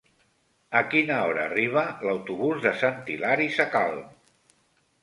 A quina hora arriba l'autobús de Sant Hilari Sacalm?